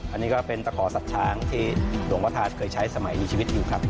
อันนี้ก็เป็นตะขอสัตว์ช้างที่หลวงพระธาตุเคยใช้สมัยมีชีวิตอยู่ครับ